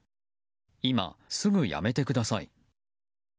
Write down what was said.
今、すぐ辞めてください。